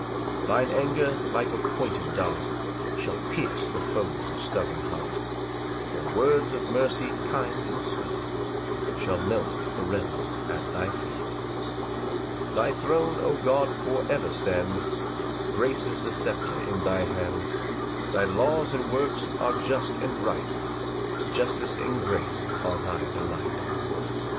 4 Thine anger, like a pointed dart, Shall pierce the foes of stubborn heart; Or words of mercy kind and sweet Shall melt the rebels at thy feet. 5 Thy throne, O God, for ever stands, Grace is the sceptre in thy hands; Thy laws and works are just and right, Justice and grace are thy delight.